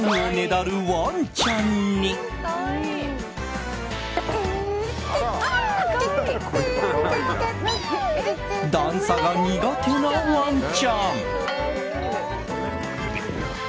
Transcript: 段差が苦手なワンちゃん。